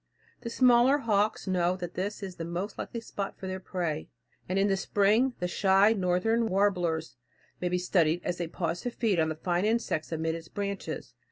The smaller hawks know that this is a most likely spot for their prey; and in spring the shy northern warblers may be studied as they pause to feed on the fine insects amid its branches.